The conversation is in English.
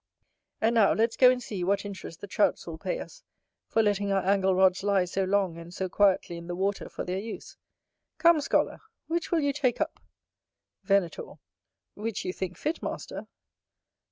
And now let's go and see what interest the Trouts will pay us, for letting our angle rods lie so long and so quietly in the water for their use. Come, scholar, which will you take up? Venator. Which you think fit, master.